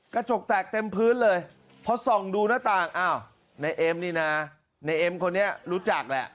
กระจกแตกเต็มพื้นเลยพอส่องดูหน้าต่างอ้าวนายเอ็มนี่นะในเอ็มคนนี้รู้จักแหละ